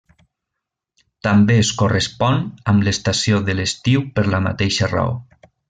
També es correspon amb l'estació de l'estiu per la mateixa raó.